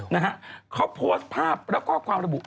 นะฮะเขาโพสต์ภาพแล้วก็ความระบุ